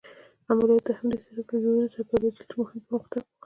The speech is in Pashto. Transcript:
عملیات د همدې سړک له جوړېدو سره پيلېدل چې مهم پرمختګ و.